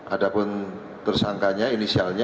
ada pun tersangkanya inisialnya